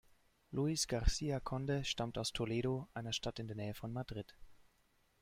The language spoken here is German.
Luis García Conde stammt aus Toledo, einer Stadt in der Nähe von Madrid.